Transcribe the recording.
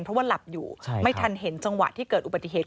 เพราะว่าหลับอยู่ไม่ทันเห็นจังหวะที่เกิดอุบัติเหตุ